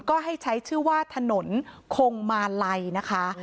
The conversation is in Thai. ก็ให้ใช้ชื่อว่าถนนคงมาลัยนะคะ